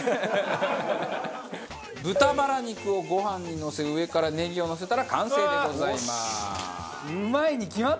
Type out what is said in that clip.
豚バラ肉をご飯にのせ上からネギをのせたら完成でございます。